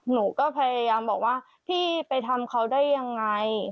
หนูก็พยายามบอกว่าพี่ไปทำเขาได้ยังไง